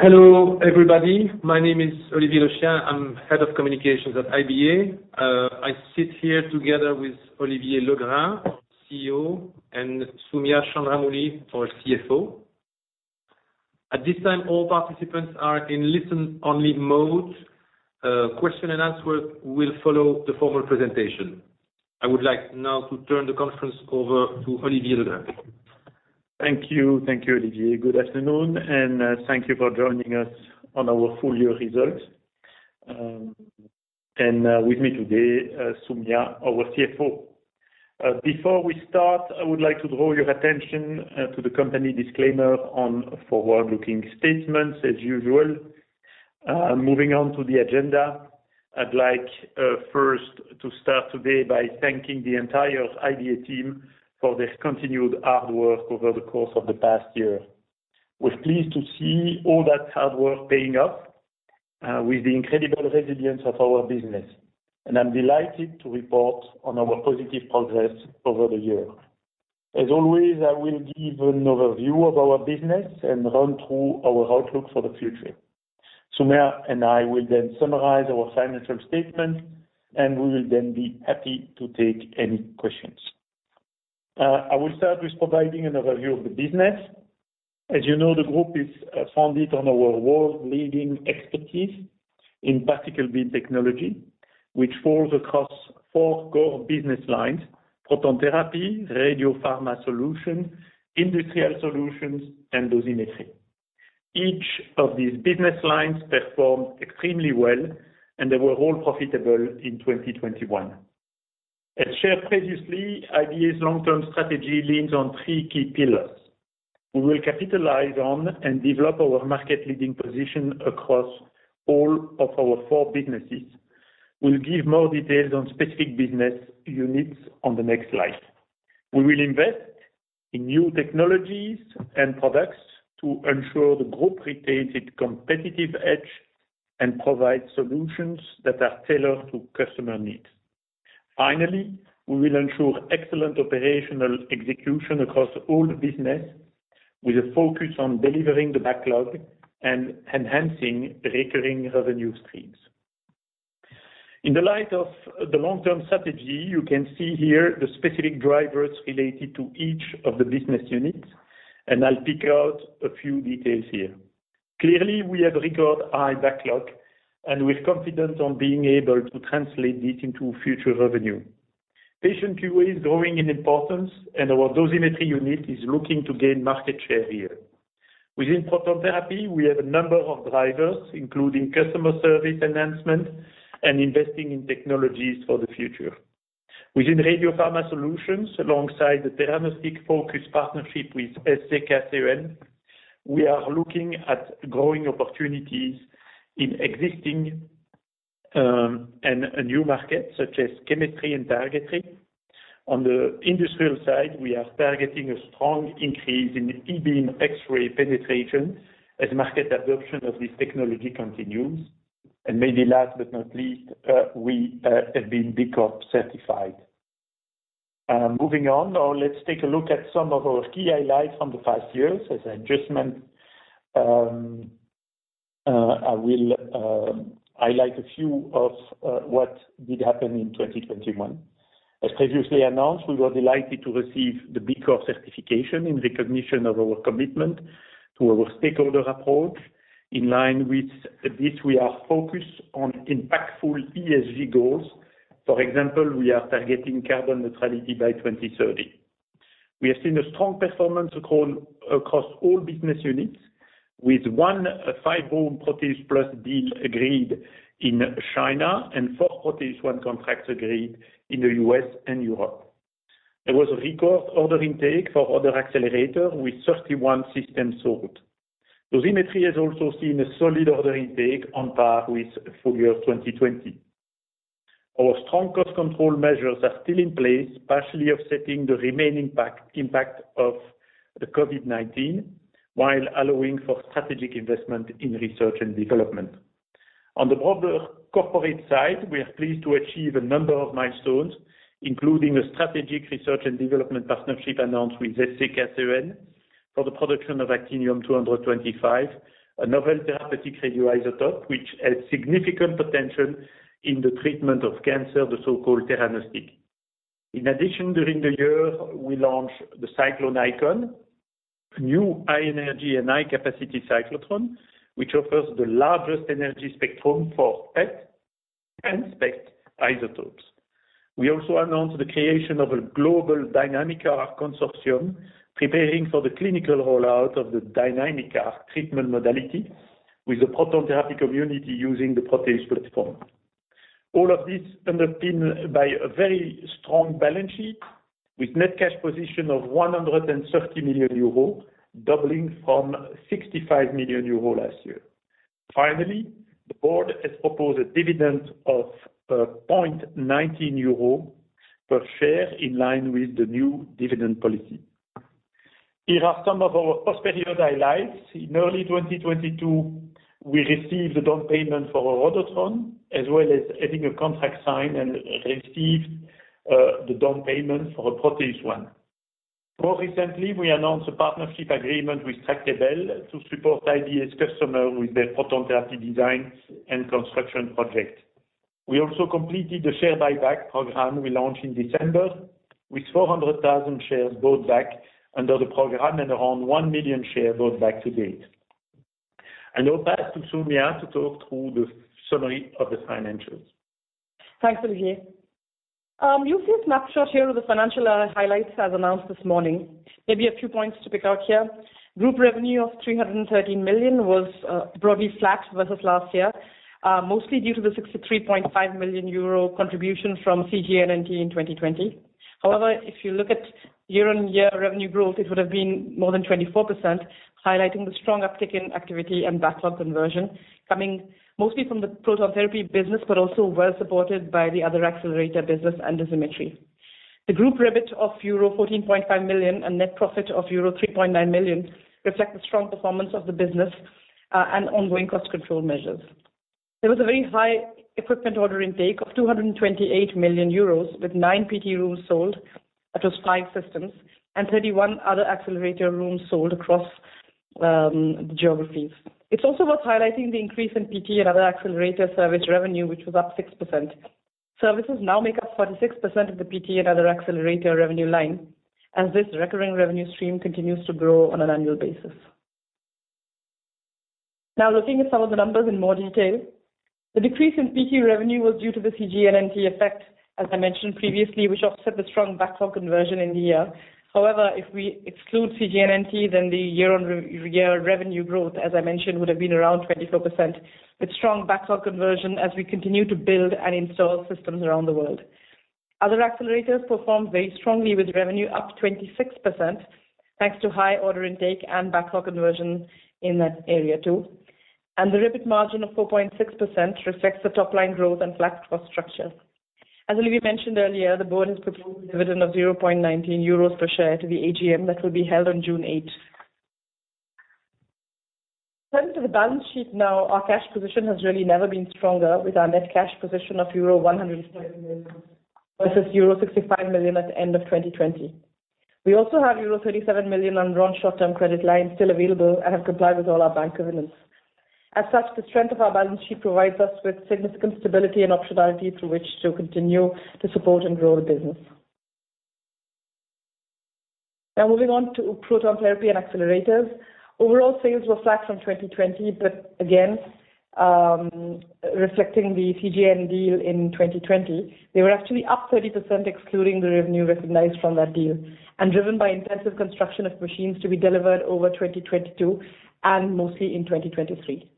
Hello everybody. My name is Olivier Lechien. I'm Head of Communications at IBA. I sit here together with Olivier Legrain, CEO, and Soumya Chandramouli, our CFO. At this time, all participants are in listen-only mode. Question and answer will follow the formal presentation. I would like now to turn the conference over to Olivier Legrain. Thank you. Thank you, Olivier. Good afternoon and thank you for joining us on our full-year results. With me today, Soumya, our CFO. Before we start, I would like to draw your attention to the company disclaimer on forward-looking statements as usual. Moving on to the agenda, I'd like first to start today by thanking the entire IBA team for this continued hard work over the course of the past year. We're pleased to see all that hard work paying off with the incredible resilience of our business, and I'm delighted to report on our positive progress over the year. As always, I will give an overview of our business and run through our outlook for the future. Soumya and I will then summarize our financial statement, and we will then be happy to take any questions. I will start with providing an overview of the business. As you know, the group is founded on our world-leading expertise in particle beam technology, which falls across four core business lines, Proton Therapy, RadioPharma Solutions, Industrial Solutions, and Dosimetry. Each of these business lines performed extremely well, and they were all profitable in 2021. As shared previously, IBA's long-term strategy leans on three key pillars. We will capitalize on and develop our market-leading position across all of our four businesses. We'll give more details on specific business units on the next slide. We will invest in new technologies and products to ensure the group retains its competitive edge and provides solutions that are tailored to customer needs. Finally, we will ensure excellent operational execution across all business with a focus on delivering the backlog and enhancing recurring revenue streams. In the light of the long-term strategy, you can see here the specific drivers related to each of the business units, and I'll pick out a few details here. Clearly, we have record high backlog and with confidence on being able to translate this into future revenue. Patient QA is growing in importance, and our dosimetry unit is looking to gain market share here. Within Proton Therapy, we have a number of drivers, including customer service enhancement and investing in technologies for the future. Within RadioPharma Solutions, alongside the therapeutic focus partnership with SCK CEN, we are looking at growing opportunities in existing and new markets such as chemistry and targetry. On the industrial side, we are targeting a strong increase in E-beam X-ray penetration as market adoption of this technology continues. Maybe last but not least, we have been B Corp certified. Moving on. Now let's take a look at some of our key highlights from the past years. As I just mentioned, I will highlight a few of what did happen in 2021. As previously announced, we were delighted to receive the B Corp certification in recognition of our commitment to our stakeholder approach. In line with this, we are focused on impactful ESG goals. For example, we are targeting carbon neutrality by 2030. We have seen a strong performance across all business units, with one five-room Proteus PLUS deal agreed in China and four ProteusONE contracts agreed in the U.S. and Europe. There was a record order intake for our accelerators, with 31 systems sold. Dosimetry has also seen a solid order intake on par with full year 2020. Our strong cost control measures are still in place, partially offsetting the remaining impact of the COVID-19 while allowing for strategic investment in research and development. On the broader corporate side, we are pleased to achieve a number of milestones, including a strategic research and development partnership announced with SCK CEN for the production of actinium-225, a novel therapeutic radioisotope which has significant potential in the treatment of cancer, the so-called theranostic. In addition, during the year, we launched the Cyclone IKON, new high-energy and high-capacity cyclotron, which offers the largest energy spectrum for PET and SPECT isotopes. We also announced the creation of a global DynamicARC consortium preparing for the clinical rollout of the DynamicARC treatment modality with the proton therapy community using the Proteus platform. All of this underpinned by a very strong balance sheet with net cash position of 130 million euro, doubling from 65 million euro last year. Finally, the board has proposed a dividend of 0.19 euro per share in line with the new dividend policy. Here are some of our post-period highlights. In early 2022, we received a down payment for our Rhodotron, as well as a contract signed and received the down payment for our ProteusONE. More recently, we announced a partnership agreement with Tractebel to support IBA's customer with their proton therapy designs and construction projects. We also completed the share buyback program we launched in December, with 400,000 shares bought back under the program and around 1 million shares bought back to date. I now pass to Soumya to talk through the summary of the financials. Thanks, Olivier. You'll see a snapshot here of the financial highlights as announced this morning. Maybe a few points to pick out here. Group revenue of 313 million was broadly flat versus last year, mostly due to the 63.5 million euro contribution from CGNNT in 2020. However, if you look at year-on-year revenue growth, it would have been more than 24%, highlighting the strong uptick in activity and backlog conversion coming mostly from the proton therapy business, but also well supported by the other accelerator business and dosimetry. The group REBIT of euro 14.5 million and net profit of euro 3.9 million reflect the strong performance of the business and ongoing cost control measures. There was a very high equipment order intake of 228 million euros with nine PT rooms sold, that was five systems, and 31 other accelerator rooms sold across geographies. It's also worth highlighting the increase in PT and other accelerator service revenue, which was up 6%. Services now make up 46% of the PT and other accelerator revenue line, as this recurring revenue stream continues to grow on an annual basis. Now, looking at some of the numbers in more detail, the decrease in PT revenue was due to the CGNNT effect, as I mentioned previously, which offset the strong backlog conversion in the year. However, if we exclude CGNNT, then the year-on-year revenue growth, as I mentioned, would have been around 24%, with strong backlog conversion as we continue to build and install systems around the world. Other accelerators performed very strongly with revenue up 26%, thanks to high order intake and backlog conversion in that area too. The REBIT margin of 4.6% reflects the top line growth and flat cost structure. As Olivier mentioned earlier, the board has proposed a dividend of 0.19 euros per share to the AGM that will be held on June 8th. Turning to the balance sheet now, our cash position has really never been stronger, with our net cash position of euro 130 million versus euro 65 million at the end of 2020. We also have euro 37 million undrawn short-term credit line still available and have complied with all our bank covenants. As such, the strength of our balance sheet provides us with significant stability and optionality through which to continue to support and grow the business. Now, moving on to proton therapy and accelerators. Overall sales were flat from 2020, but again, reflecting the CGN deal in 2020, they were actually up 30%, excluding the revenue recognized from that deal and driven by intensive construction of machines to be delivered over 2022 and mostly in 2023.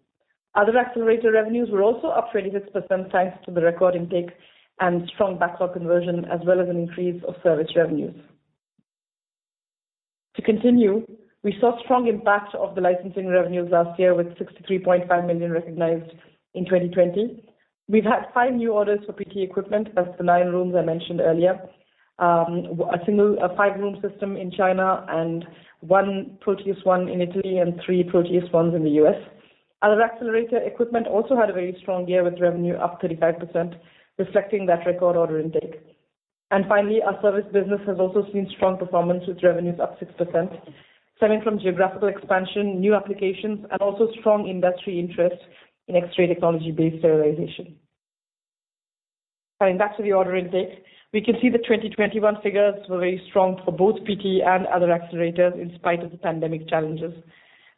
Other accelerator revenues were also up 36% thanks to the record intake and strong backlog conversion, as well as an increase of service revenues. To continue, we saw strong impact of the licensing revenues last year with 63.5 million recognized in 2020. We've had five new orders for PT equipment. That's the nine rooms I mentioned earlier. A five-room system in China, and one ProteusONE in Italy and three ProteusONEs in the U.S. Other accelerator equipment also had a very strong year with revenue up 35%, reflecting that record order intake. Finally, our service business has also seen strong performance with revenues up 6%, stemming from geographical expansion, new applications, and also strong industry interest in X-ray technology-based sterilization. Coming back to the order intake, we can see the 2021 figures were very strong for both PT and other accelerators in spite of the pandemic challenges.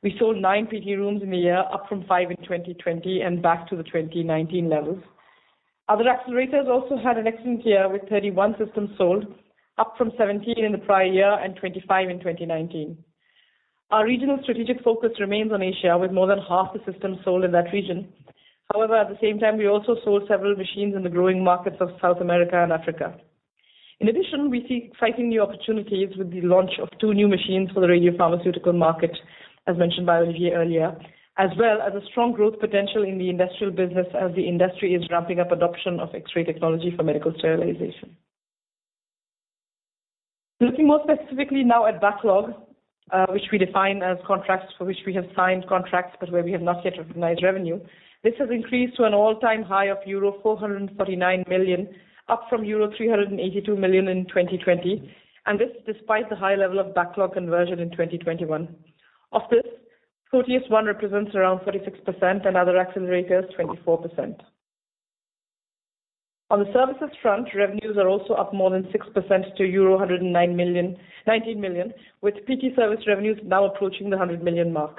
We sold nine PT rooms in the year, up from five in 2020 and back to the 2019 levels. Other accelerators also had an excellent year with 31 systems sold, up from 17 in the prior year and 25 in 2019. Our regional strategic focus remains on Asia, with more than half the systems sold in that region. However, at the same time, we also sold several machines in the growing markets of South America and Africa. In addition, we see exciting new opportunities with the launch of two new machines for the radiopharmaceutical market, as mentioned by Olivier earlier, as well as a strong growth potential in the industrial business as the industry is ramping up adoption of X-ray technology for medical sterilization. Looking more specifically now at backlog, which we define as contracts for which we have signed contracts but where we have not yet recognized revenue. This has increased to an all-time high of euro 439 million, up from euro 382 million in 2020, and this despite the high level of backlog conversion in 2021. Of this, ProteusONE represents around 36%, and other accelerators, 24%. On the services front, revenues are also up more than 6% to euro 90 million, with PT service revenues now approaching the 100 million mark.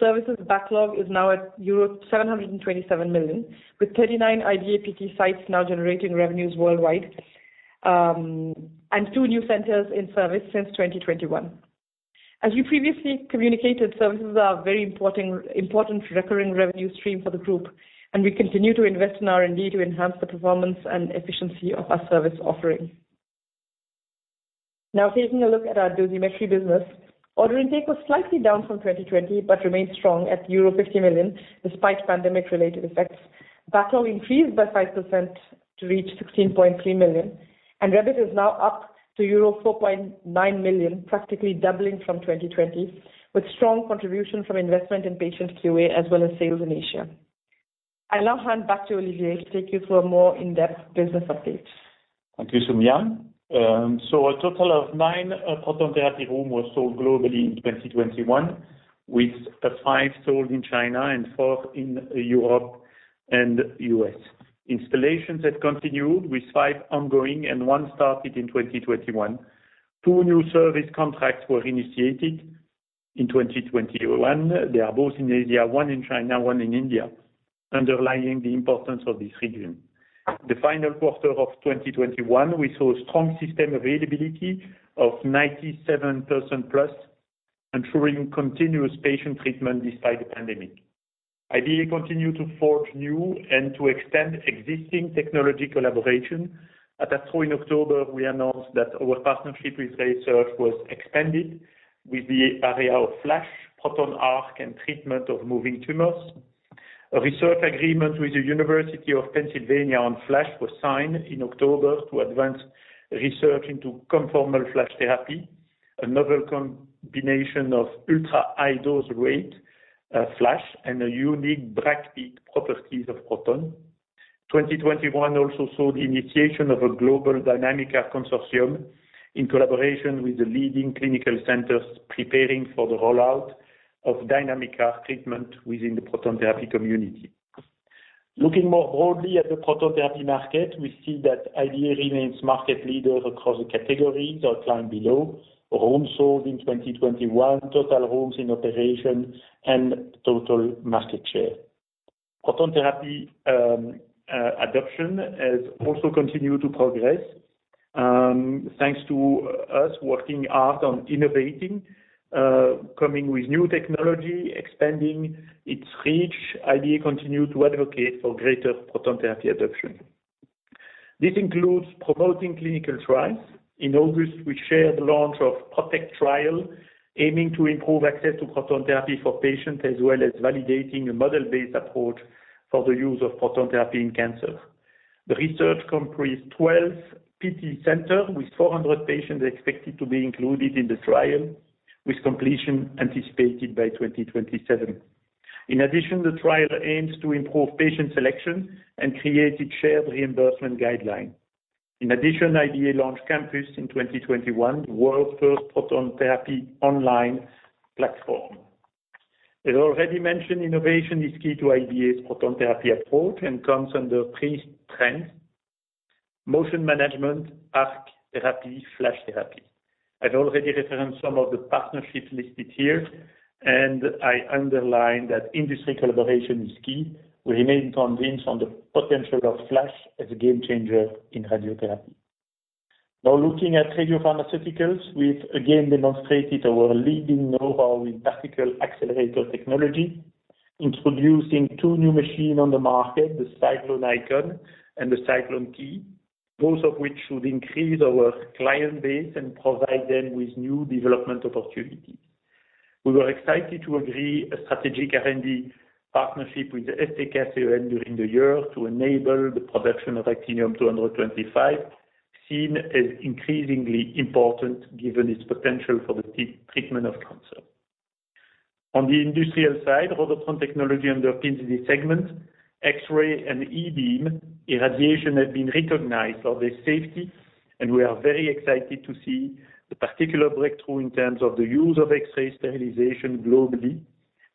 Services backlog is now at euro 727 million, with 39 IBA PT sites now generating revenues worldwide, and two new centers in service since 2021. As we previously communicated, services are a very important recurring revenue stream for the group, and we continue to invest in R&D to enhance the performance and efficiency of our service offering. Now, taking a look at our dosimetry business, order intake was slightly down from 2020, but remains strong at euro 50 million despite pandemic-related effects. Backlog increased by 5% to reach 16.3 million, and REBIT is now up to euro 4.9 million, practically doubling from 2020, with strong contribution from investment in patient QA as well as sales in Asia. I'll now hand back to Olivier to take you through a more in-depth business update. Thank you, Soumya. A total of nine proton therapy room were sold globally in 2021, with five sold in China and four in Europe and U.S. Installations have continued with five ongoing and one started in 2021. Two new service contracts were initiated in 2021. They are both in Asia, one in China, one in India, underlying the importance of this region. The final quarter of 2021, we saw strong system availability of 97%+, ensuring continuous patient treatment despite the pandemic. IBA continue to forge new and to extend existing technology collaboration. At ASTRO in October, we announced that our partnership with RaySearch was expanded with the area of FLASH, proton arc and treatment of moving tumors. A research agreement with the University of Pennsylvania on FLASH was signed in October to advance research into ConformalFLASH therapy, another combination of ultra-high dose rate, FLASH and the unique brachytherapy properties of proton. 2021 also saw the initiation of a global DynamicARC consortium in collaboration with the leading clinical centers preparing for the rollout of DynamicARC treatment within the proton therapy community. Looking more broadly at the proton therapy market, we see that IBA remains market leader across the categories outlined below, rooms sold in 2021, total rooms in operation, and total market share. Proton therapy adoption has also continued to progress, thanks to us working hard on innovating, coming with new technology, expanding its reach. IBA continue to advocate for greater proton therapy adoption. This includes promoting clinical trials. In August, we shared the launch of PROTECT trial, aiming to improve access to proton therapy for patients, as well as validating a model-based approach for the use of proton therapy in cancer. The research comprise 12 PT centers with 400 patients expected to be included in the trial, with completion anticipated by 2027. In addition, the trial aims to improve patient selection and create a shared reimbursement guideline. In addition, IBA launched Campus in 2021, world first proton therapy online platform. As already mentioned, innovation is key to IBA's proton therapy approach and comes under three strengths, motion management, arc therapy, FLASH therapy. I've already referenced some of the partnerships listed here, and I underline that industry collaboration is key. We remain convinced on the potential of FLASH as a game changer in radiotherapy. Now looking at radiopharmaceuticals, we've again demonstrated our leading know-how in particle accelerator technology, introducing two new machines on the market, the Cyclone IKON and the Cyclone KEY, both of which should increase our client base and provide them with new development opportunities. We were excited to agree a strategic R&D partnership with the SCK CEN during the year to enable the production of actinium-225, seen as increasingly important, given its potential for the treatment of cancer. On the industrial side, proton technology underpins this segment. X-ray and E-beam irradiation have been recognized for their safety, and we are very excited to see the particular breakthrough in terms of the use of X-ray sterilization globally,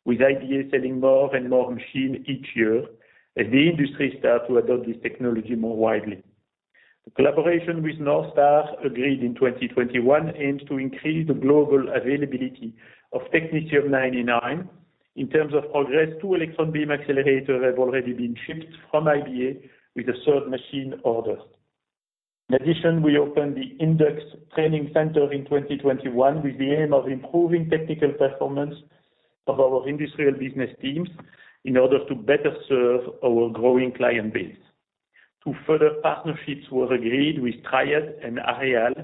with IBA selling more and more machines each year as the industry starts to adopt this technology more widely. The collaboration with NorthStar, agreed in 2021, aims to increase the global availability of technetium-99m. In terms of progress, two electron beam accelerator have already been shipped from IBA with a third machine ordered. In addition, we opened the INDux Training Center in 2021 with the aim of improving technical performance of our industrial business teams in order to better serve our growing client base. Two further partnerships were agreed with Triad and Aerial,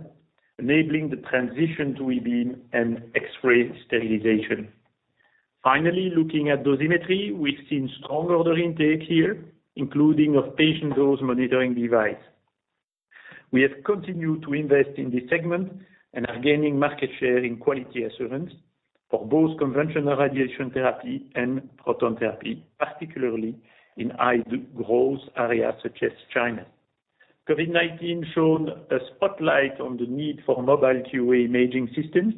enabling the transition to E-beam and X-ray sterilization. Finally, looking at dosimetry, we've seen strong order intake here, including of patient dose monitoring device. We have continued to invest in this segment and are gaining market share in quality assurance for both conventional radiation therapy and proton therapy, particularly in high-growth areas such as China. COVID-19 shone a spotlight on the need for mobile QA imaging systems,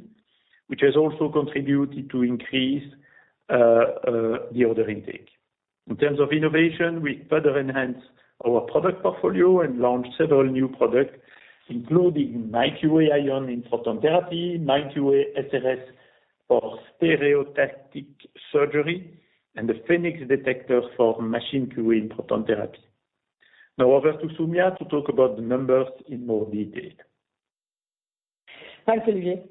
which has also contributed to increase the order intake. In terms of innovation, we further enhanced our product portfolio and launched several new products, including myQA iON in proton therapy, myQA SRS for stereotactic surgery, and the myQA Phoenix detector for machine QA in proton therapy. Now over to Soumya to talk about the numbers in more detail. Thanks, Olivier.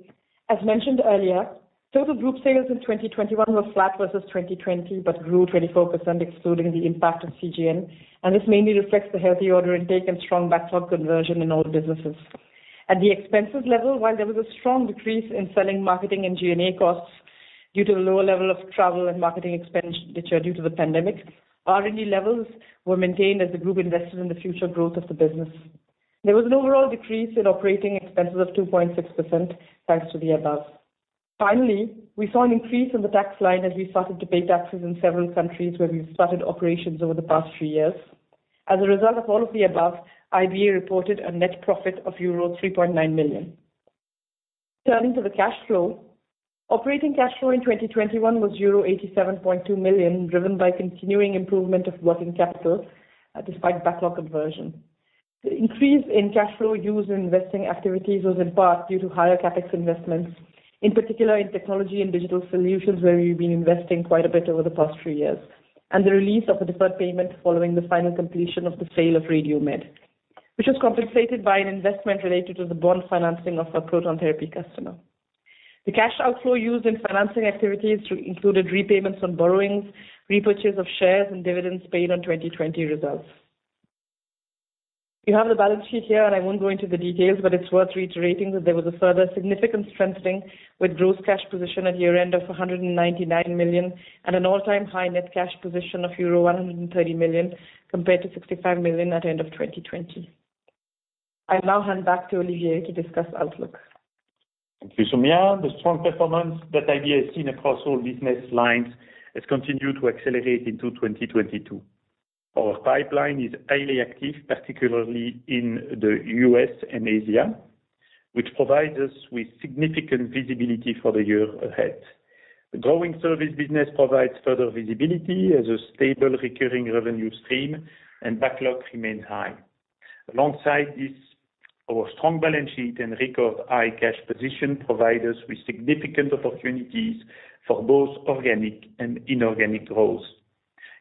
As mentioned earlier, total group sales in 2021 were flat versus 2020, but grew 24% excluding the impact of CGN, and this mainly reflects the healthy order intake and strong backlog conversion in all businesses. At the expenses level, while there was a strong decrease in selling, marketing and G&A costs due to the lower level of travel and marketing expenditure due to the pandemic, R&D levels were maintained as the group invested in the future growth of the business. There was an overall decrease in operating expenses of 2.6%, thanks to the above. Finally, we saw an increase in the tax line as we started to pay taxes in several countries where we've started operations over the past few years. As a result of all of the above, IBA reported a net profit of euro 3.9 million. Turning to the cash flow. Operating cash flow in 2021 was 87.2 million, driven by continuing improvement of working capital, despite backlog conversion. The increase in cash flow used in investing activities was in part due to higher CapEx investments, in particular in technology and digital solutions, where we've been investing quite a bit over the past three years, and the release of a deferred payment following the final completion of the sale of RadioMed, which was compensated by an investment related to the bond financing of our proton therapy customer. The cash outflow used in financing activities included repayments on borrowings, repurchase of shares, and dividends paid on 2020 results. You have the balance sheet here, and I won't go into the details, but it's worth reiterating that there was a further significant strengthening with gross cash position at year-end of 199 million and an all-time high net cash position of euro 130 million, compared to 65 million at the end of 2020. I'll now hand back to Olivier to discuss outlook. Thank you, Soumya. The strong performance that IBA has seen across all business lines has continued to accelerate into 2022. Our pipeline is highly active, particularly in the U.S. and Asia, which provides us with significant visibility for the year ahead. The growing service business provides further visibility as a stable recurring revenue stream, and backlog remains high. Alongside this, our strong balance sheet and record-high cash position provide us with significant opportunities for both organic and inorganic growth.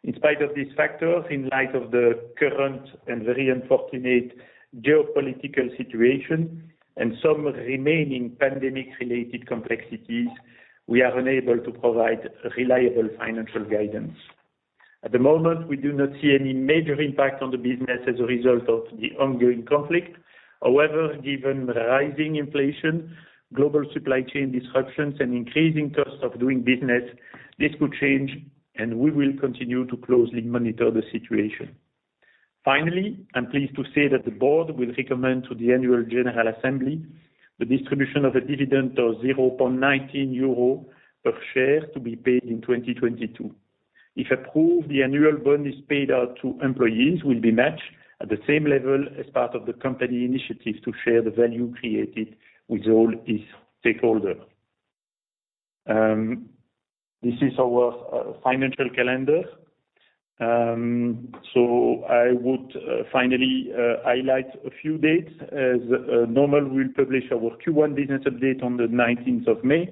In spite of these factors, in light of the current and very unfortunate geopolitical situation and some remaining pandemic-related complexities, we are unable to provide reliable financial guidance. At the moment, we do not see any major impact on the business as a result of the ongoing conflict. However, given the rising inflation, global supply chain disruptions, and increasing cost of doing business, this could change, and we will continue to closely monitor the situation. Finally, I'm pleased to say that the board will recommend to the annual general assembly the distribution of a dividend of 0.19 euro per share to be paid in 2022. If approved, the annual bonus paid out to employees will be matched at the same level as part of the company initiative to share the value created with all its stakeholders. This is our financial calendar. I would finally highlight a few dates. As normal, we'll publish our Q1 business update on the 19th of May.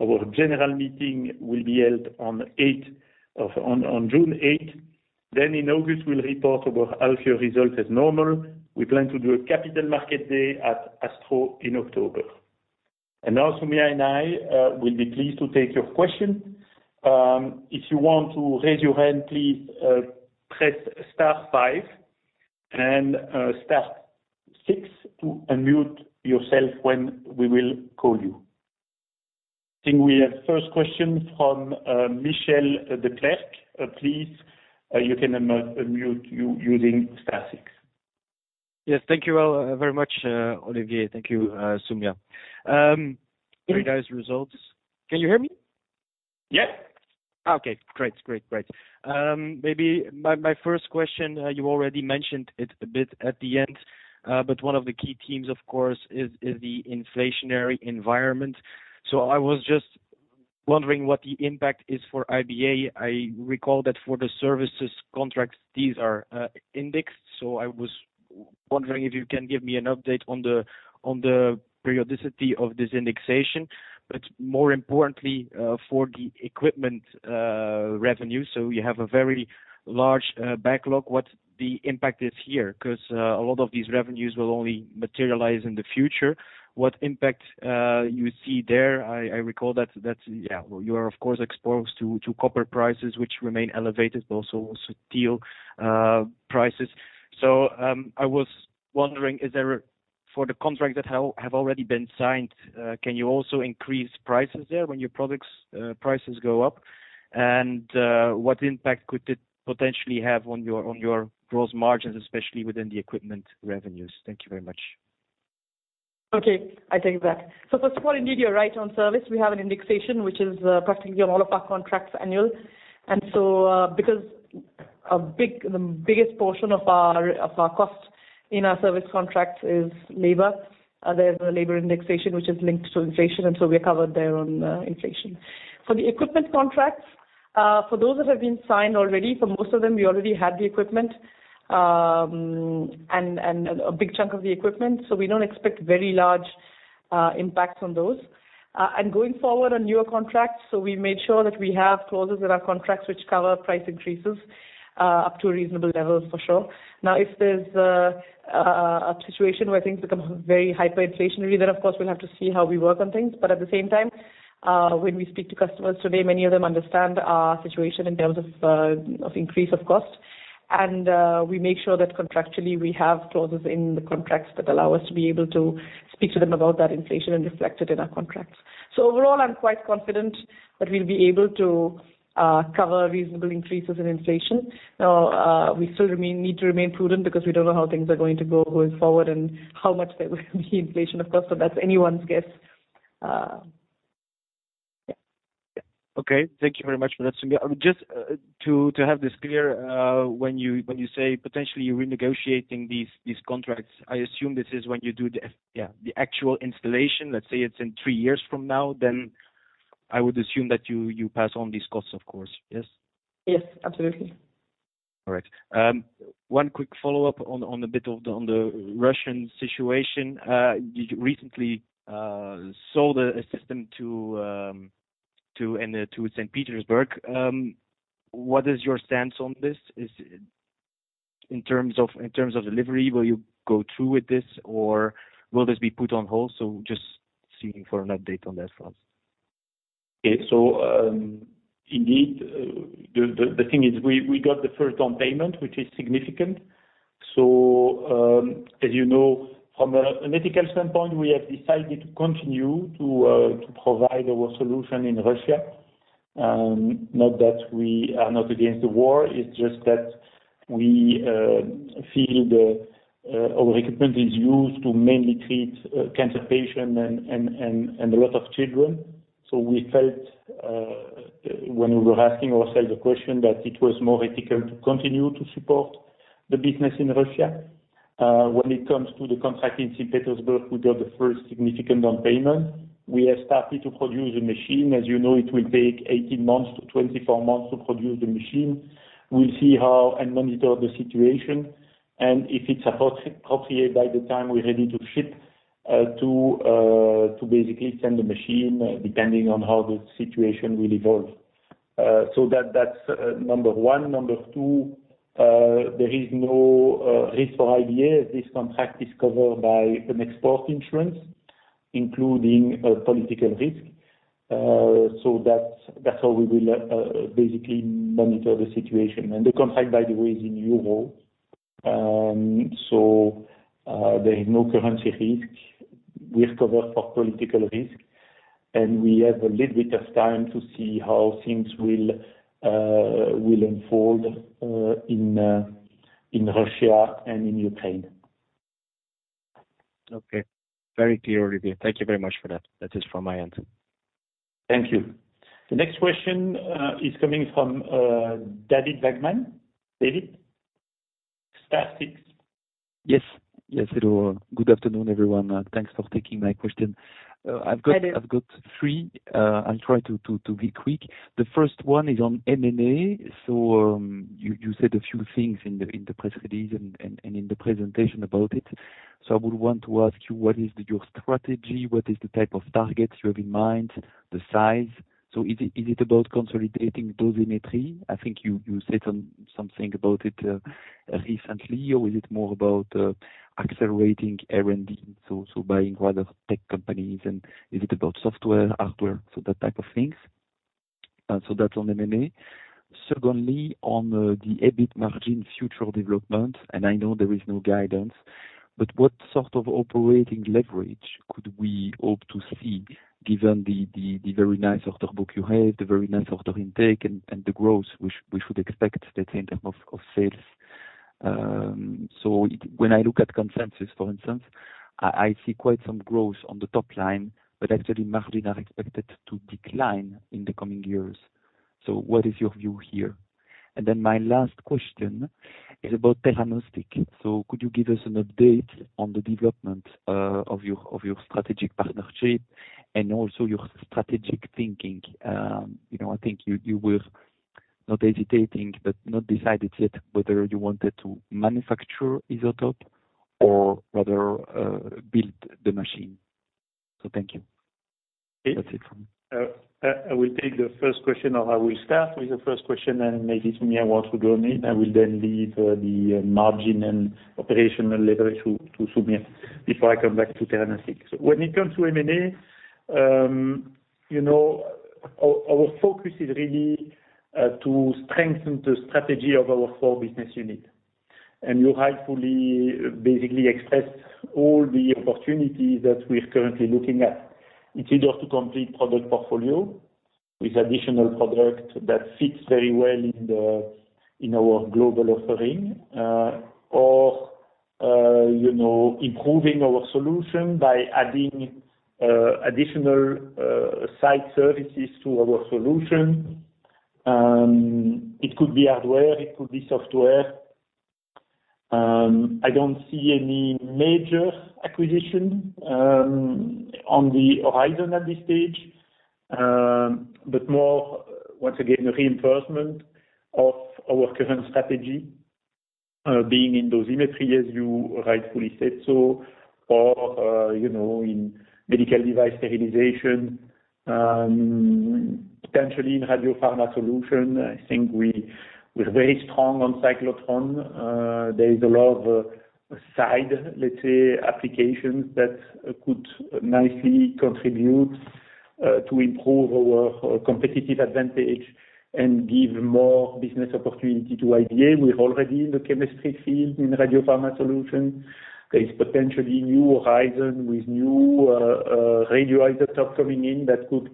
Our general meeting will be held on June 8. In August, we'll report our half-year results as normal. We plan to do a capital market day at ASTRO in October. Now Soumya and I will be pleased to take your questions. If you want to raise your hand, please press star five and star six to unmute yourself when we will call you. I think we have first question from Michiel Declercq. Please, you can unmute using star six. Yes, thank you all very much, Olivier. Thank you, Soumya. Very nice results. Can you hear me? Yes. Okay, great. Maybe my first question, you already mentioned it a bit at the end, but one of the key themes, of course, is the inflationary environment. I was just wondering what the impact is for IBA. I recall that for the services contracts, these are indexed, so I was wondering if you can give me an update on the periodicity of this indexation. More importantly, for the equipment revenue, you have a very large backlog, what the impact is here. 'Cause a lot of these revenues will only materialize in the future. What impact you see there? I recall that yeah, you are of course exposed to copper prices which remain elevated, but also steel prices. I was wondering, is there, for the contracts that have already been signed, can you also increase prices there when your product prices go up? What impact could it potentially have on your gross margins, especially within the equipment revenues? Thank you very much. Okay. I take that. First of all, indeed, you're right on service. We have an indexation which is practically on all of our contracts annual. Because the biggest portion of our cost in our service contracts is labor, there's a labor indexation which is linked to inflation, and we're covered there on inflation. For the equipment contracts, for those that have been signed already, for most of them, we already had the equipment, and a big chunk of the equipment, so we don't expect very large impacts on those. Going forward on newer contracts, we made sure that we have clauses in our contracts which cover price increases up to reasonable levels for sure. Now, if there's a situation where things become very hyperinflationary, then of course we'll have to see how we work on things. At the same time, when we speak to customers today, many of them understand our situation in terms of increase of cost. We make sure that contractually we have clauses in the contracts that allow us to be able to speak to them about that inflation and reflect it in our contracts. Overall, I'm quite confident that we'll be able to cover reasonable increases in inflation. Now, we still need to remain prudent because we don't know how things are going to go forward and how much there will be inflation, of course, so that's anyone's guess. Okay, thank you very much for that, Soumya. Just to have this clear, when you say potentially renegotiating these contracts, I assume this is when you do the actual installation. Let's say it's in three years from now, then I would assume that you pass on these costs, of course. Yes? Yes, absolutely. All right. One quick follow-up on a bit of the Russian situation. You recently sold a system to St. Petersburg. What is your stance on this? In terms of delivery, will you go through with this, or will this be put on hold? Just seeking an update on that front. Okay. Indeed, the thing is we got the first down payment, which is significant. As you know, from an ethical standpoint, we have decided to continue to provide our solution in Russia. Not that we are not against the war, it's just that we feel our equipment is used to mainly treat cancer patient and a lot of children. We felt, when we were asking ourselves the question, that it was more ethical to continue to support the business in Russia. When it comes to the contract in St. Petersburg, we got the first significant down payment. We have started to produce the machine. As you know, it will take 18 months to 24 months to produce the machine. We'll see how and monitor the situation and if it's appropriate by the time we're ready to ship, to basically send the machine, depending on how the situation will evolve. So that's number one. Number two, there is no risk for IBA. This contract is covered by an export insurance, including political risk. So that's how we will basically monitor the situation. The contract, by the way, is in euros, so there is no currency risk. We're covered for political risk, and we have a little bit of time to see how things will unfold in Russia and in Ukraine. Okay. Very clear review. Thank you very much for that. That is from my end. Thank you. The next question is coming from David Wagman. David? Yes, hello. Good afternoon, everyone. Thanks for taking my question. I've got Hi, David. I've got three. I'll try to be quick. The first one is on M&A. You said a few things in the press release and in the presentation about it. I would want to ask you, what is your strategy? What is the type of targets you have in mind, the size? Is it about consolidating Dosimetry? I think you said something about it recently, or is it more about accelerating R&D, so buying rather tech companies? And is it about software, hardware, so that type of things? That's on M&A. Secondly, on the EBIT margin future development, and I know there is no guidance, but what sort of operating leverage could we hope to see given the very nice order book you have, the very nice order intake, and the growth we should expect, let's say, in terms of sales? When I look at consensus, for instance, I see quite some growth on the top line, but actually margins are expected to decline in the coming years. What is your view here? My last question is about theranostics. Could you give us an update on the development of your strategic partnership and also your strategic thinking? You know, I think you were not hesitating, but not decided yet whether you wanted to manufacture isotope or rather build the machine. Thank you. That's it from me. I will take the first question, or I will start with the first question, and maybe Soumya wants to join in. I will then leave the margin and operational leverage to Soumya before I come back to theranostics. When it comes to M&A, you know, our focus is really to strengthen the strategy of our four business units. You rightfully basically expressed all the opportunities that we're currently looking at. It's either to complete product portfolio with additional product that fits very well in our global offering, or you know, improving our solution by adding additional site services to our solution. It could be hardware, it could be software. I don't see any major acquisition on the horizon at this stage, but more, once again, reinforcement of our current strategy, being in dosimetry, as you rightfully said so, or, you know, in medical device sterilization, potentially in RadioPharma Solutions. I think we're very strong on cyclotron. There is a lot of side, let's say, applications that could nicely contribute to improve our competitive advantage and give more business opportunities to IBA. We're already in the chemistry field in RadioPharma Solutions. There is potentially new horizon with new radioisotope coming in that could,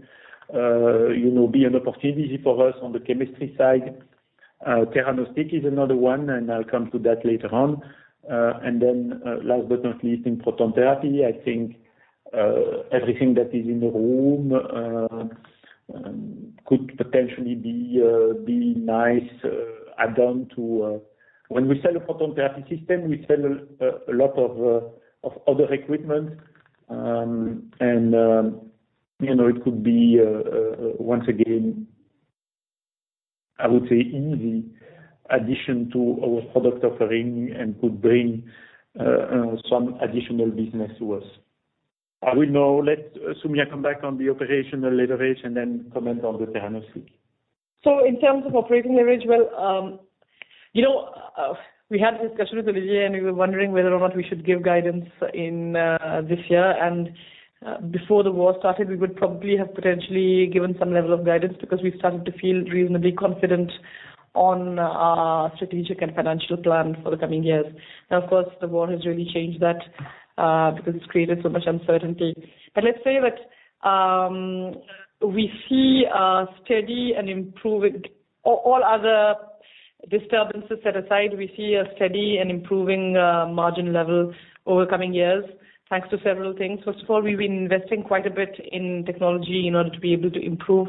you know, be an opportunity for us on the chemistry side. Theranostics is another one, and I'll come to that later on. Last but not least, in proton therapy, I think everything that is in the room could potentially be a nice add-on. When we sell a proton therapy system, we sell a lot of other equipment, and you know, it could be once again, I would say easy addition to our product offering and could bring some additional business to us. I will now let Soumya come back on the operational leverage and then comment on the theranostic. In terms of operating leverage, we had a discussion with Olivier, and we were wondering whether or not we should give guidance in this year. Before the war started, we would probably have potentially given some level of guidance because we started to feel reasonably confident on our strategic and financial plan for the coming years. Now, of course, the war has really changed that, because it's created so much uncertainty. Let's say that, all other disturbances set aside, we see a steady and improving margin level over coming years, thanks to several things. First of all, we've been investing quite a bit in technology in order to be able to improve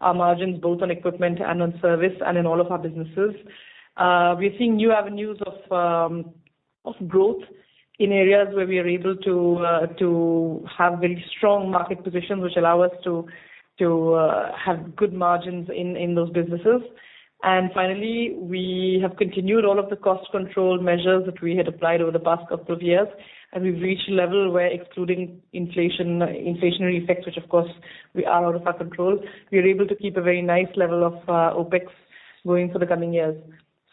our margins both on equipment and on service, and in all of our businesses. We're seeing new avenues of growth in areas where we are able to have very strong market positions which allow us to have good margins in those businesses. Finally, we have continued all of the cost control measures that we had applied over the past couple of years, and we've reached a level where, excluding inflation, inflationary effects, which of course we are out of our control, we are able to keep a very nice level of OpEx going for the coming years.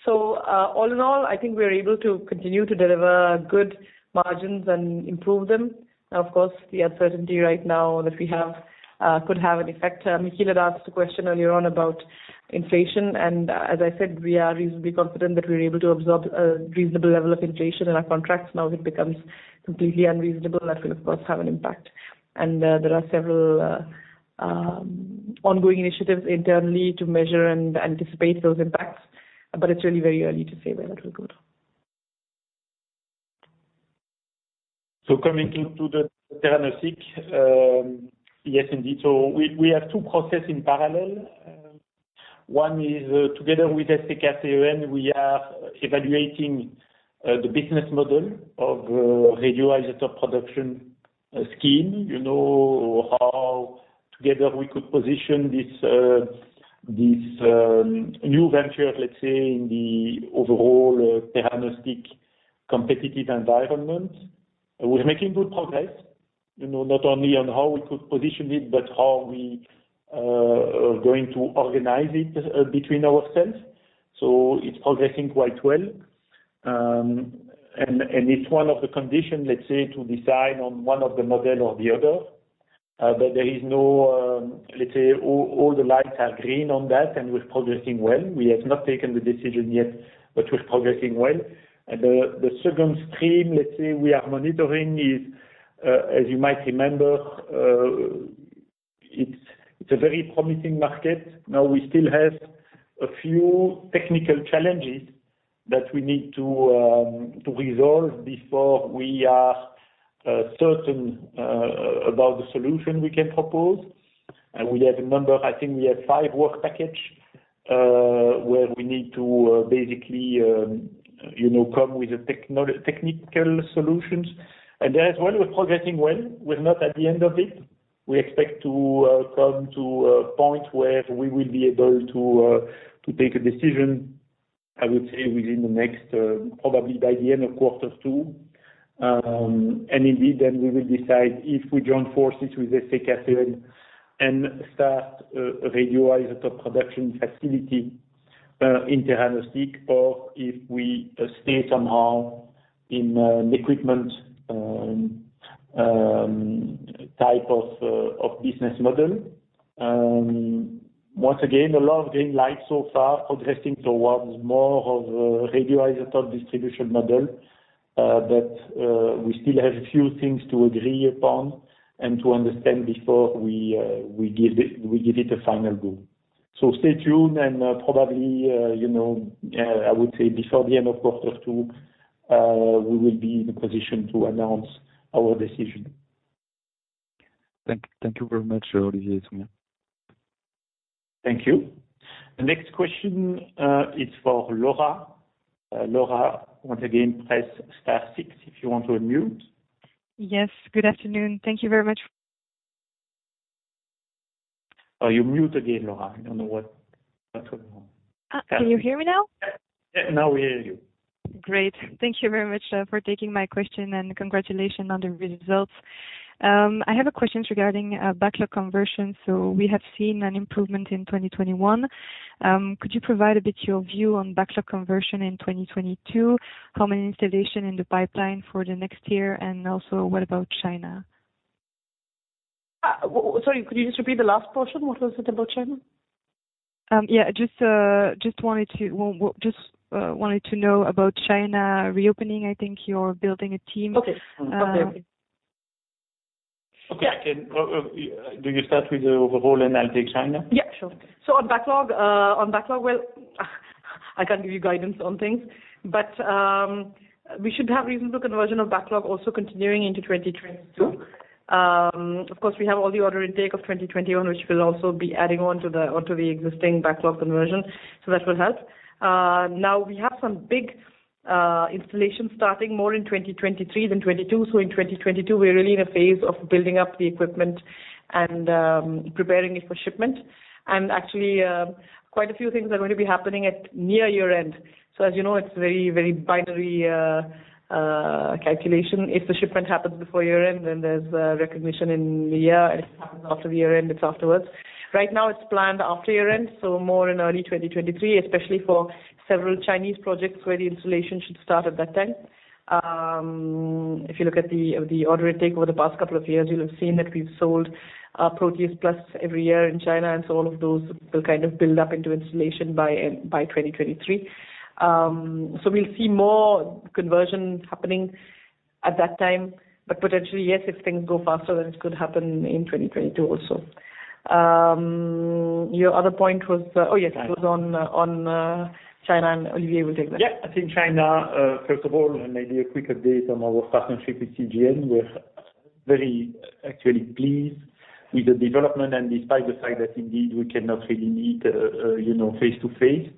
All in all, I think we are able to continue to deliver good margins and improve them. Now, of course, the uncertainty right now that we have could have an effect. Michiel had asked a question earlier on about inflation, and as I said, we are reasonably confident that we're able to absorb a reasonable level of inflation in our contracts. Now, if it becomes completely unreasonable, that will of course have an impact. There are several ongoing initiatives internally to measure and anticipate those impacts, but it's really very early to say where that will go. Coming into the theranostic, yes, indeed. We have two processes in parallel. One is together with SCK CEN, we are evaluating the business model of a radioisotope production scheme. You know how together we could position this new venture, let's say, in the overall theranostic competitive environment. We're making good progress, you know, not only on how we could position it, but how we are going to organize it between ourselves. It's progressing quite well. And it's one of the conditions, let's say, to decide on one of the models or the other. But let's say all the lights are green on that, and we're progressing well. We have not taken the decision yet, but we're progressing well. The second stream, let's say, we are monitoring is, as you might remember, it's a very promising market. Now, we still have a few technical challenges that we need to resolve before we are certain about the solution we can propose. We have a number—I think we have five work package, where we need to basically, you know, come with the technical solutions. There as well, we're progressing well. We're not at the end of it. We expect to come to a point where we will be able to take a decision, I would say, within the next, probably by the end of quarter two. We will decide if we join forces with SCK CEN and start a radioisotope production facility in theranostic, or if we stay somehow in an equipment type of business model. Once again, a lot of green lights so far progressing towards more of a radioisotope distribution model. We still have a few things to agree upon and to understand before we give it a final go. Stay tuned and probably, you know, I would say before the end of quarter two, we will be in a position to announce our decision. Thank you very much, Olivier and Soumya. Thank you. The next question is for Laura. Laura, once again, press star six if you want to unmute. Yes. Good afternoon. Thank you very much. Oh, you're mute again, Laura. I don't know what's going on. Can you hear me now? Now we hear you. Great. Thank you very much for taking my question and congratulations on the results. I have a question regarding backlog conversion. We have seen an improvement in 2021. Could you provide a bit your view on backlog conversion in 2022, how many installation in the pipeline for the next year, and also what about China? Sorry, could you just repeat the last portion? What was it about China? Yeah, just wanted to know about China reopening. I think you're building a team. Okay. Okay. Do you start with the overall in Altige China? Yeah, sure. On backlog, well, I can't give you guidance on things, but we should have reasonable conversion of backlog also continuing into 2022. Of course, we have all the order intake of 2021, which will also be adding on to the, on to the existing backlog conversion, so that will help. Now we have some big installations starting more in 2023 than 2022, so in 2022, we're really in a phase of building up the equipment and preparing it for shipment. Actually, quite a few things are going to be happening at near year-end. As you know, it's very binary calculation. If the shipment happens before year-end, then there's a recognition in the year. If it happens after the year-end, it's afterwards. Right now, it's planned after year-end, so more in early 2023, especially for several Chinese projects where the installation should start at that time. If you look at the order intake over the past couple of years, you'll have seen that we've sold Proteus PLUS every year in China, and so all of those will kind of build up into installation by 2023. We'll see more conversions happening at that time, but potentially, yes, if things go faster, then it could happen in 2022 also. Your other point was, oh, yes, it was on China, and Olivier will take that. Yeah. I think China, first of all, maybe a quick update on our partnership with CGN. We're very actually pleased with the development and despite the fact that indeed we cannot really meet, you know, face to face.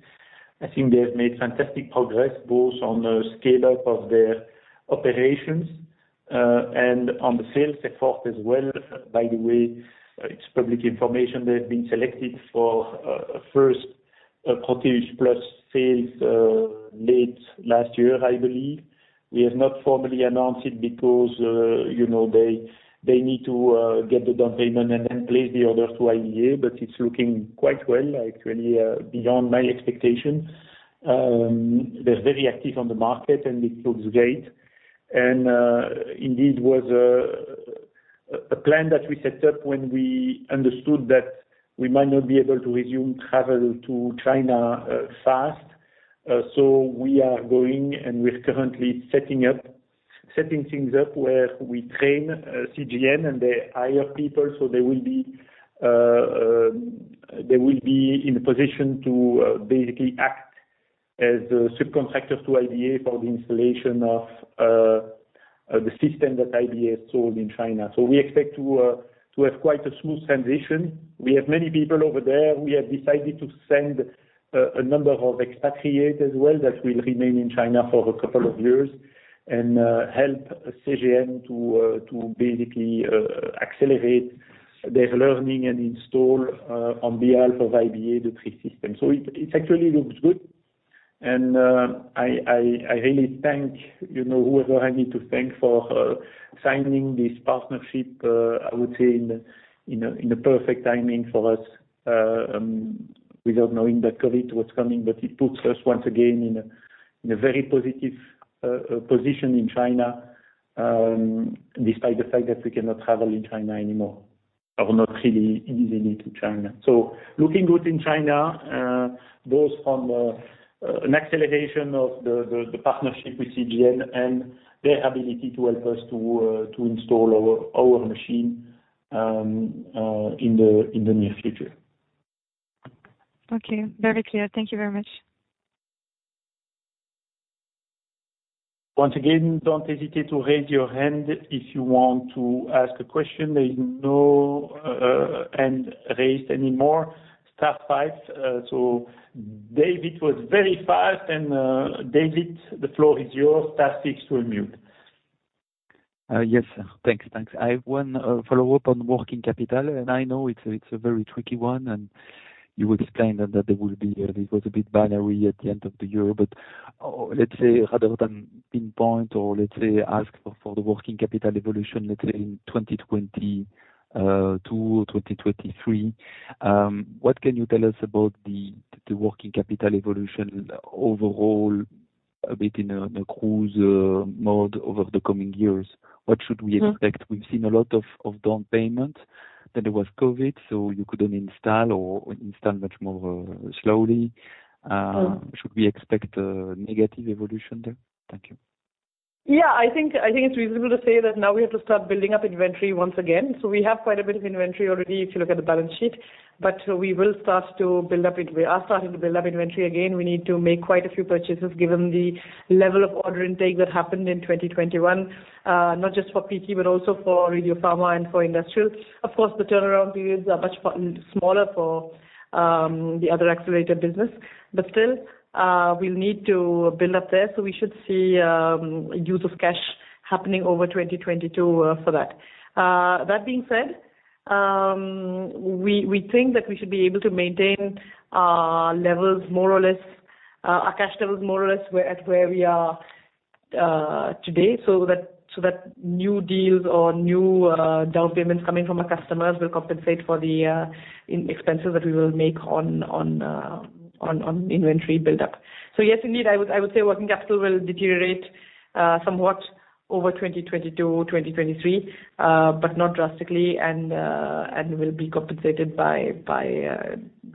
I think they have made fantastic progress, both on the scale-up of their operations and on the sales effort as well. By the way, it's public information, they've been selected for, a first Proteus PLUS sales, late last year, I believe. We have not formally announced it because, you know, they need to get the down payment and then place the order to IBA, but it's looking quite well, actually, beyond my expectation. They're very active on the market, and it looks great. Indeed, it was a plan that we set up when we understood that we might not be able to resume travel to China fast. We are going and we're currently setting things up where we train CGN, and they hire people, so they will be in a position to basically act as a subcontractor to IBA for the installation of the system that IBA sold in China. We expect to have quite a smooth transition. We have many people over there. We have decided to send a number of expatriates as well that will remain in China for a couple of years and help CGN to basically accelerate their learning and install on behalf of IBA the three systems. It actually looks good. I really thank, you know, whoever I need to thank for signing this partnership, I would say in a perfect timing for us, without knowing that COVID was coming, it puts us once again in a very positive position in China, despite the fact that we cannot travel in China anymore or not really easily to China. Looking good in China, both from an acceleration of the partnership with CGN and their ability to help us to install our machine in the near future. Okay. Very clear. Thank you very much. Once again, don't hesitate to raise your hand if you want to ask a question. There is no hand raised anymore. Star five, so David was very fast. David, the floor is yours. Star six to unmute. Yes. Thanks. I have one follow-up on working capital, and I know it's a very tricky one, and you explained that there will be a bit binary at the end of the year. Let's say rather than pinpoint or let's say ask for the working capital evolution, let's say in 2022 or 2023, what can you tell us about the working capital evolution overall, a bit in a cruise mode over the coming years? What should we expect? We've seen a lot of down payment. Then there was COVID, so you couldn't install or install much more slowly. Should we expect a negative evolution there? Thank you. Yeah. I think it's reasonable to say that now we have to start building up inventory once again. We have quite a bit of inventory already if you look at the balance sheet, but we will start to build up it. We are starting to build up inventory again. We need to make quite a few purchases given the level of order intake that happened in 2021, not just for PT, but also for radiopharma and for industrial. Of course, the turnaround periods are much smaller for the other accelerator business. Still, we'll need to build up there, so we should see use of cash happening over 2022, for that. That being said, we think that we should be able to maintain levels more or less our cash levels more or less where we are today, so that new deals or new down payments coming from our customers will compensate for the expenses that we will make on inventory buildup. Yes, indeed, I would say working capital will deteriorate somewhat over 2022, 2023, but not drastically and will be compensated by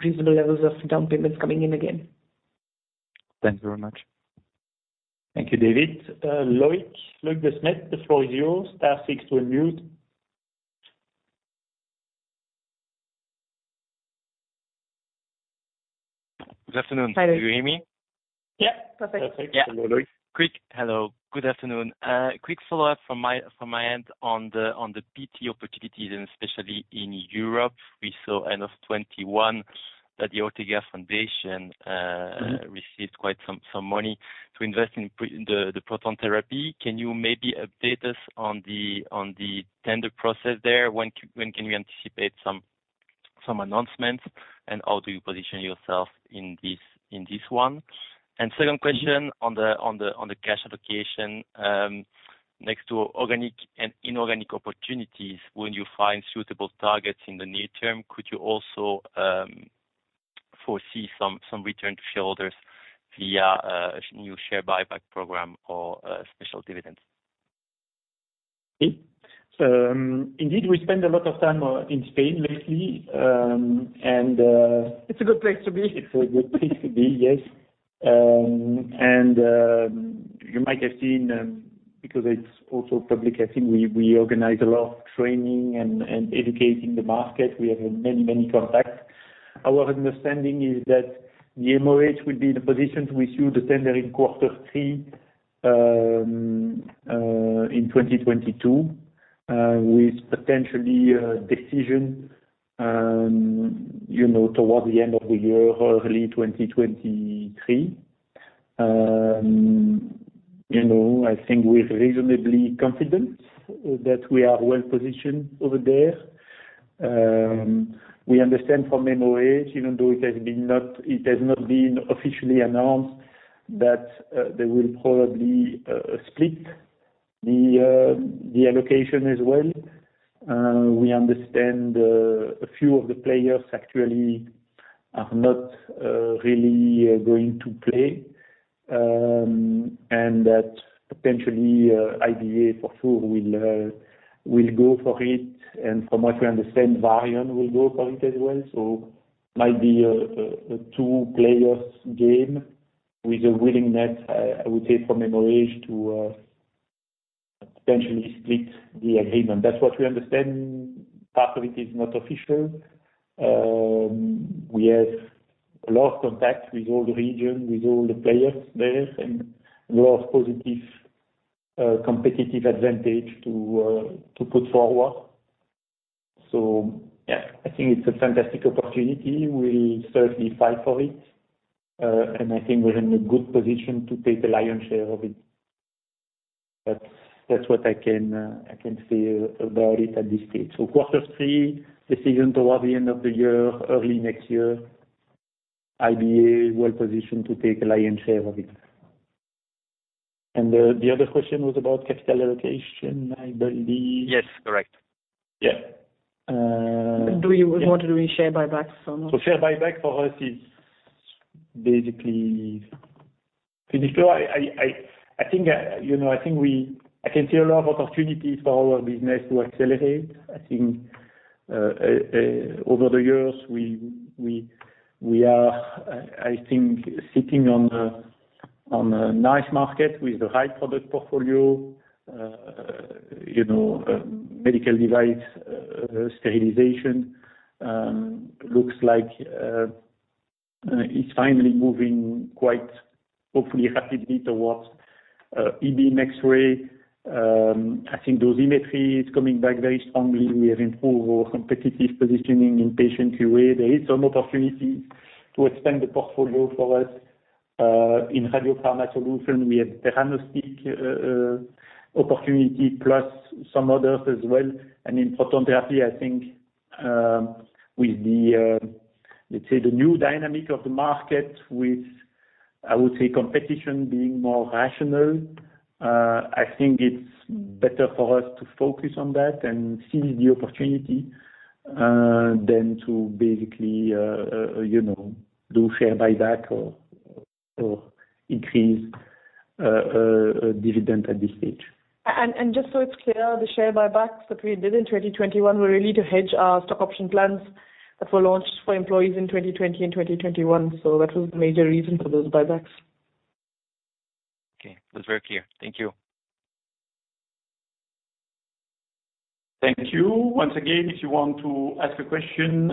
reasonable levels of down payments coming in again. Thanks very much. Thank you, David. Loïc De Smet, the floor is yours. Star six to unmute. Good afternoon. Hi. Can you hear me? Yeah, perfect. Perfect. Hello, Loic. Hello, good afternoon. Quick follow-up from my end on the PT opportunities, and especially in Europe. We saw end of 2021 that the Ortega Foundation. Mm-hmm Received quite some money to invest in the proton therapy. Can you maybe update us on the tender process there? When can we anticipate some announcements, and how do you position yourself in this one? Second question on the cash allocation, next to organic and inorganic opportunities, when you find suitable targets in the near term, could you also foresee some return to shareholders via new share buyback program or special dividends? Indeed we spend a lot of time in Spain lately, and It's a good place to be. It's a good place to be, yes. You might have seen, because it's also public, I think we organize a lot of training and educating the market. We have many contacts. Our understanding is that the MOH will be in a position to issue the tender in quarter three in 2022 with potentially a decision you know towards the end of the year or early 2023. You know, I think we're reasonably confident that we are well-positioned over there. We understand from MOH, even though it has not been officially announced that they will probably split the allocation as well. We understand a few of the players actually are not really going to play. That potentially IBA for sure will go for it, and from what we understand, Varian will go for it as well. Might be a two-player game with a willingness, I would say from MOH to potentially split the agreement. That's what we understand. Part of it is not official. We have a lot of contacts with all the region, with all the players there, and a lot of positive competitive advantage to put forward. Yeah, I think it's a fantastic opportunity. We certainly fight for it, and I think we're in a good position to take the lion's share of it. That's what I can say about it at this stage. Quarter three, decision toward the end of the year, early next year. IBA is well positioned to take a lion's share of it. The other question was about capital allocation, I believe. Yes, correct. Yeah. What are you doing share buybacks or not? Share buyback for us is basically. To be clear, I think you know I can see a lot of opportunities for our business to accelerate. I think over the years we are sitting on a nice market with the right product portfolio. You know medical device sterilization looks like it's finally moving quite hopefully rapidly towards EB X-ray. I think dosimetry is coming back very strongly. We have improved our competitive positioning in patient QA. There is some opportunity to expand the portfolio for us in Radiopharma Solutions. We have theranostic opportunity plus some others as well. In proton therapy, I think, with the, let's say the new dynamic of the market with, I would say, competition being more rational, I think it's better for us to focus on that and seize the opportunity, than to basically, you know, do share buyback or increase dividend at this stage. Just so it's clear, the share buybacks that we did in 2021 were really to hedge our stock option plans that were launched for employees in 2020 and 2021. So that was the major reason for those buybacks. Okay. That was very clear. Thank you. Thank you. Once again, if you want to ask a question,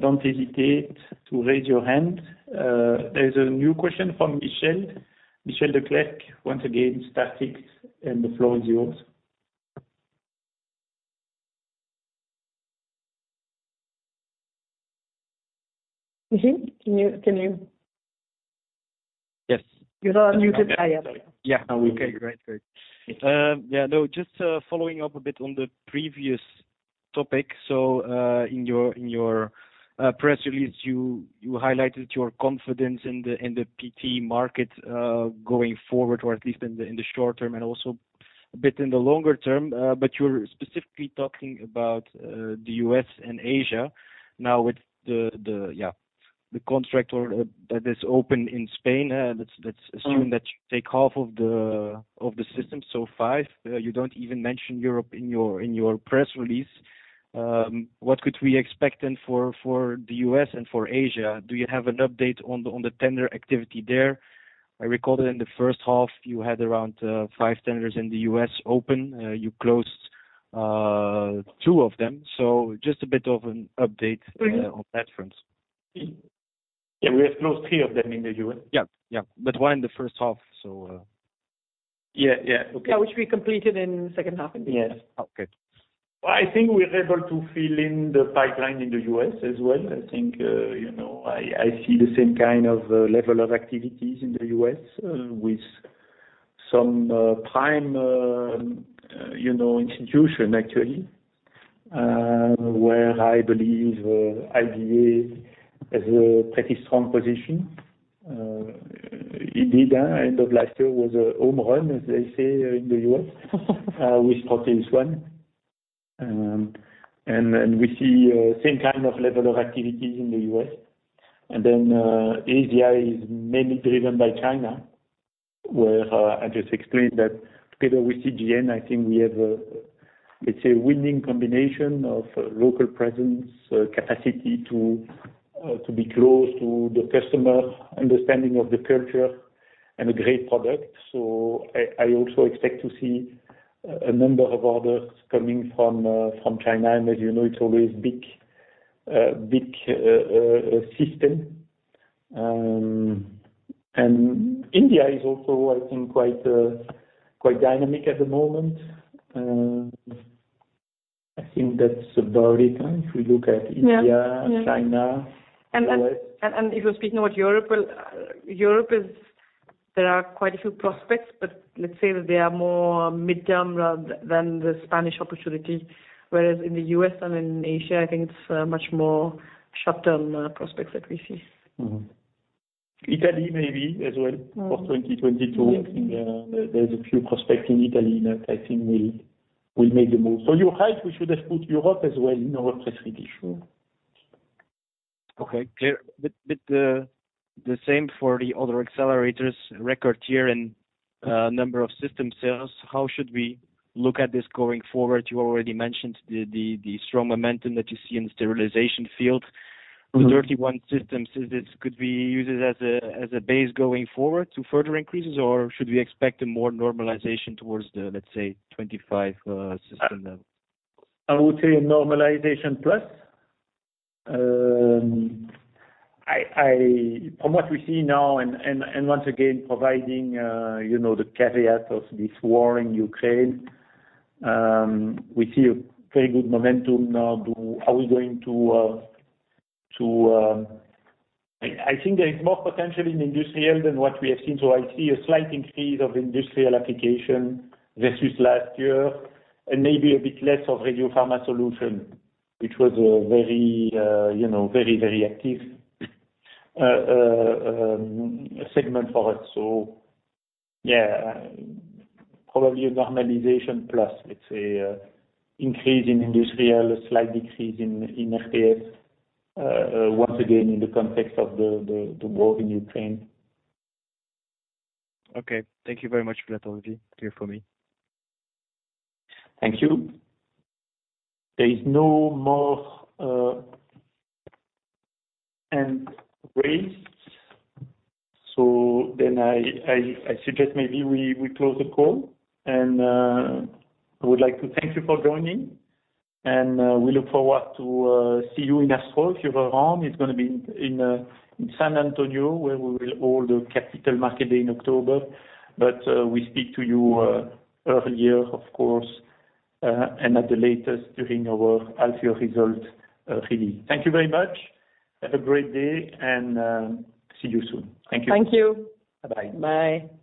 don't hesitate to raise your hand. There's a new question from Michiel Declercq. Once again, star six, and the floor is yours. Michiel, can you Yes. Yeah. Yeah. Okay, great. Following up a bit on the previous topic. In your press release, you highlighted your confidence in the PT market going forward, or at least in the short term, and also a bit in the longer term. But you're specifically talking about the U.S. and Asia. Now, with the contract that is open in Spain, let's assume that you take half of the system, so 5. You don't even mention Europe in your press release. What could we expect then for the U.S. and for Asia? Do you have an update on the tender activity there? I recall that in the first half, you had around five tenders in the U.S. open, you closed two of them. Just a bit of an update on that front. Yeah. We have closed three of them in the U.S. Yeah. Yeah. But one the first half, so. Yeah, yeah. Okay. Yeah, which we completed in second half in the U.S. Yes. Okay. Good. I think we're able to fill in the pipeline in the U.S. as well. I think, you know, I see the same kind of level of activities in the U.S., with some prime, you know, institution actually. Where I believe IBA has a pretty strong position. At the end of last year was a home run, as they say in the U.S. We started with one. We see the same kind of level of activities in the U.S. Asia is mainly driven by China, where I just explained that together with CGN, I think we have a, let's say, winning combination of local presence, capacity to be close to the customer, understanding of the culture, and a great product. I also expect to see a number of orders coming from China. As you know, it's always big system. India is also, I think, quite dynamic at the moment. I think that's about it, if we look at India. Yeah. China. If you're speaking about Europe, well, there are quite a few prospects, but let's say that they are more mid-term rather than the Spanish opportunity. Whereas in the U.S. and in Asia, I think it's much more short-term prospects that we see. Italy maybe as well for 2022. Yeah. I think, there's a few prospects in Italy that I think we'll make the move. You're right, we should have put Europe as well in our press release. Sure. Okay. Clear. The same for the other accelerators record here, and number of system sales. How should we look at this going forward? You already mentioned the strong momentum that you see in the sterilization field. Mm-hmm. With 31 systems, could we use it as a base going forward to further increases, or should we expect a more normalization towards the, let's say, 25 system level? I would say a normalization plus. From what we see now, once again providing you know the caveat of this war in Ukraine, we see a very good momentum now. I think there is more potential in Industrial than what we have seen. I see a slight increase of Industrial application versus last year, and maybe a bit less of RadioPharma Solutions, which was a very you know very active segment for us. Yeah. Probably a normalization plus, let's say, increase in Industrial, a slight decrease in RPS, once again, in the context of the war in Ukraine. Okay. Thank you very much for that, Olivier. Clear for me. Thank you. There is no more hand raised, so I suggest maybe we close the call. I would like to thank you for joining, and we look forward to see you in ASCO if you're around. It's gonna be in San Antonio, where we will hold the capital market day in October. We speak to you earlier of course, and at the latest during our half year results release. Thank you very much. Have a great day and see you soon. Thank you. Thank you. Bye-bye. Bye. Thank you.